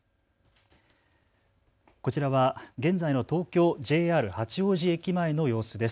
こちらは現在の東京、ＪＲ八王子駅前の様子です。